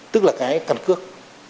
tức là cái căn cước